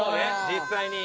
実際に。